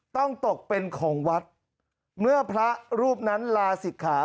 ต้องตกเป็นของวัดเมื่อพระรูปนั้นลาศิกขา